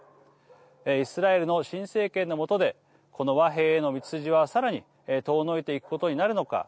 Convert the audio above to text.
イスラエルの新政権の下でこの和平への道筋はさらに遠のいていくことになるのか。